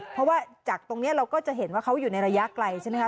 เพราะว่าจากตรงนี้เราก็จะเห็นว่าเขาอยู่ในระยะไกลใช่ไหมคะ